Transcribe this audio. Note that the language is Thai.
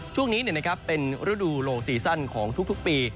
ช่วงนี้เป็นฤดูโลซีซั่นของทุกปี